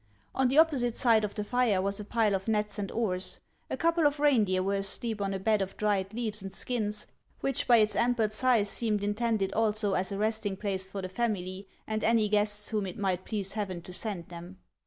On the opposite side of the fire was a pile of nets and oars ; a couple of reindeer were asleep on a bed of dried leaves and skins, which by its ample size seemed intended also as a resting place for the family and any guests whom it might please Heaven to send them.